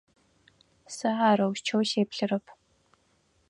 Сэ арэущтэу сеплъырэп.